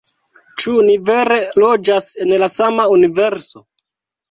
Ĉu ni vere loĝas en la sama universo?